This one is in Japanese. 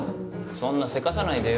そんなせかさないでよ。